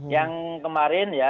yang kemarin ya